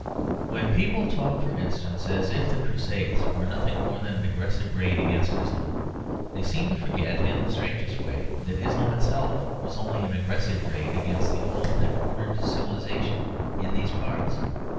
When people talk, for instance, as if the Crusades were nothing more than an aggressive raid against Islam, they seem to forget in the strangest way that Islam itself was only an aggressive raid against the old and ordered civilisation in these parts.